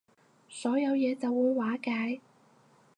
所有嘢就會瓦解